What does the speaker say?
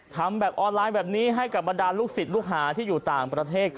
ทำแบบออนไลน์แบบนี้ให้กับบรรดาลูกศิษย์ลูกหาที่อยู่ต่างประเทศ